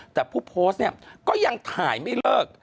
แต่ผู้โพสต์เนี่ยก็ยังถ่ายไม่เลิก